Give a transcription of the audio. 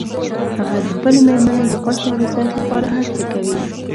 هغه د خپلې مېرمنې د خوښې او رضایت لپاره هر څه کوي